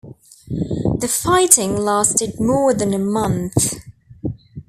The fighting lasted more than a month.